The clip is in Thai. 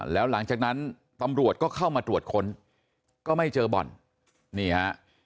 แล้วหลังจากนั้นตำรวจก็เข้ามาตรวจค้นก็ไม่เจอบ่อนนี่ฮะ